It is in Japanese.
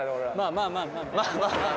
まあまあまあまあ。